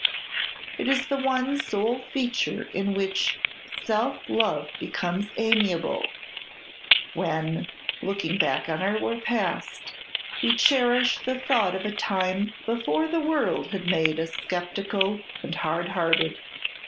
It is the one sole feature in which self love becomes amiable, when, looking back on our past, we cherish the thought of a time before the world had made us sceptical and hard hearted!